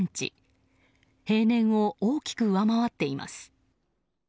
平年を大きく上回っています。